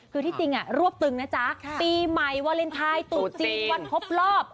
คือที่จริงรวบตึงนะจ๊ะปีใหม่วาเลนไทยตุดจีนวันครบรอบ